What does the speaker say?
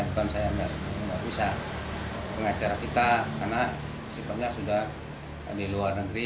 bukan saya nggak bisa pengacara kita karena sifatnya sudah di luar negeri